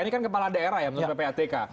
ini kan kepala daerah ya menurut ppatk